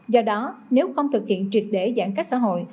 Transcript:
do đó nếu không thực hiện triệt để giãn cách xã hội